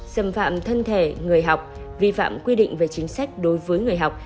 xâm phạm thân thể người học vi phạm quy định về chính sách đối với người học